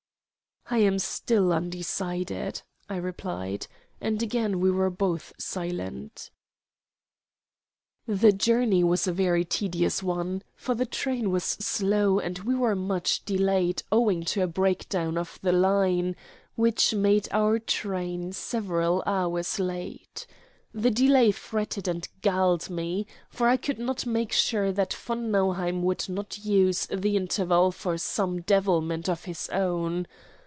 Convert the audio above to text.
"I am still undecided," I replied; and again we were both silent. The journey was a very tedious one, for the train was slow, and we were much delayed owing to a breakdown on the line, which made our train several hours late. The delay fretted and galled me, for I could not make sure that von Nauheim would not use the interval for some devilment of his own.